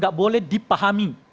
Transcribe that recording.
gak boleh dipahami